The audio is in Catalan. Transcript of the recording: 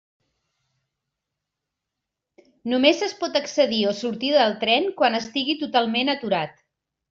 Només es pot accedir o sortir del tren quan estigui totalment aturat.